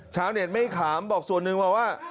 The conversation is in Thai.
ชาวเน็ตไม่ขามบอกส่วนหนึ่งมาว่า